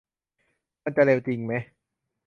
มันจะเร็วจริงแมะ